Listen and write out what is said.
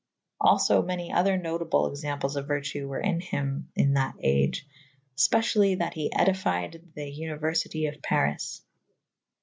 Alfo many other notable examples of vertue were in hym in that age / fpecyally that he edified the vniuerfitye of Paris.